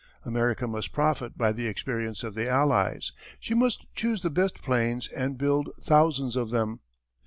America must profit by the experience of the Allies. She must choose the best planes and build thousands of them.